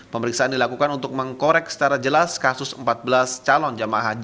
pemeriksaan dilakukan untuk mengkorek secara jelas kasus empat belas calon jemaah haji